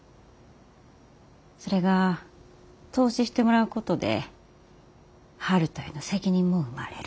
それが投資してもらうことで悠人への責任も生まれる。